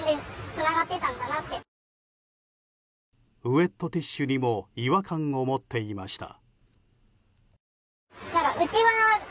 ウェットティッシュにも違和感を持っていました。